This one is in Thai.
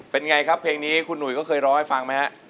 เป็นไงครับเพลงนี้คุณหนุ่ยก็เคยร้องให้ฟังไหมฮะ